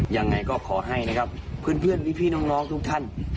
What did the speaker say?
ยังไงก็ขอให้นะครับเพื่อนพี่น้องทุกท่าน